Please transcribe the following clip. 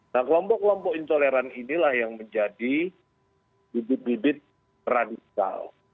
nah kelompok kelompok intoleran inilah yang menjadi bibit bibit radikal